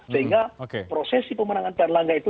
sehingga prosesi pemenangan pak erlangga itu